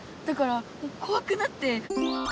だからこわくなって。